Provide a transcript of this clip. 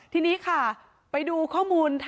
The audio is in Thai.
ทีนี้ค่ะไปดูข้อมูล